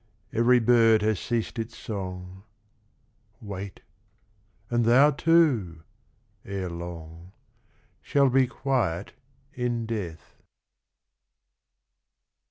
Every bird has ceased its song, Wait ; and thou too, ere long, Shall be quiet in death.